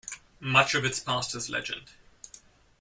Much of its past is legend.